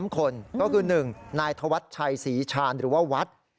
๓คนก็คือ๑นายธวัชชัยศรีชาญหรือว่าวัด